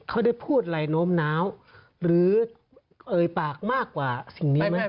เขาได้พูดอะไรโน้มน้าวหรือเอ่ยปากมากกว่าสิ่งนี้ไหม